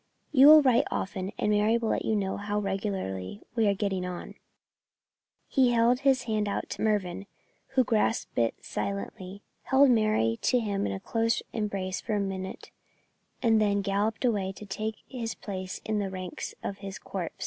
You will write often, and Mary will let you know regularly how we are getting on." He held out his hand to Mervyn, who grasped it silently, held Mary to him in a close embrace for a minute, and then galloped away to take his place in the ranks of his corps.